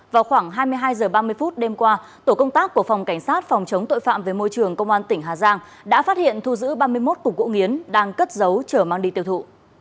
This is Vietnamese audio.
vào khoảng hai mươi hai h ba mươi phút đêm qua tổ công tác của phòng cảnh sát phòng chống tội phạm về môi trường công an tỉnh hà giang đã phát hiện thu giữ ba mươi một cục gỗ nghiến đang cất giấu chở mang đi tiêu thụ